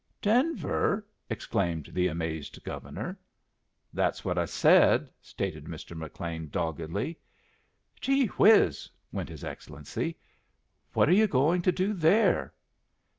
"Denver!" exclaimed the amazed Governor. "That's what I said," stated Mr. McLean, doggedly. "Gee whiz!" went his Excellency. "What are you going to do there?"